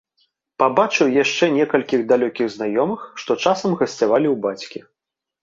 Пабачыў яшчэ некалькіх далёкіх знаёмых, што часам гасцявалі ў бацькі.